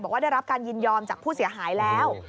ได้รับการยินยอมจากผู้เสียหายแล้ว